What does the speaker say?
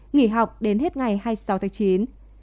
nghỉ học đến hết ngày hai mươi sáu tháng chín